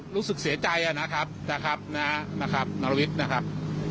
เขาก็รู้สึกเสียใจนะครับนะครับนะครับนอรวิทนะครับ